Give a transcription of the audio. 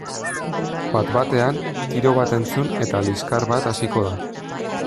Bat batean, tiro bat entzun eta liskar bat hasiko da.